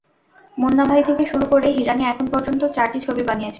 মুন্না ভাই থেকে শুরু করে হিরানি এখন পর্যন্ত চারটি ছবি বানিয়েছেন।